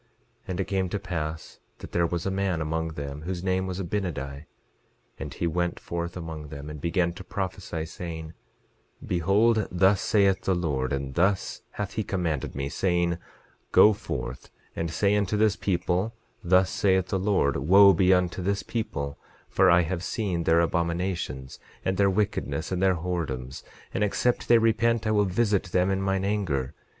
11:20 And it came to pass that there was a man among them whose name was Abinadi; and he went forth among them, and began to prophesy, saying: Behold, thus saith the Lord, and thus hath he commanded me, saying, Go forth, and say unto this people, thus saith the Lord—Wo be unto this people, for I have seen their abominations, and their wickedness, and their whoredoms; and except they repent I will visit them in mine anger.